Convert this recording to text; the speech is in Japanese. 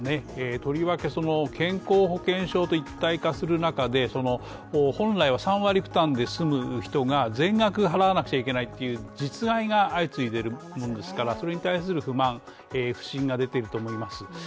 とりわけ健康保険証と一体化する中で本来は３割負担で済む人が全額払わなくちゃならないという実害が相次いでいますから、それに対する不満、不振が出ていると思います。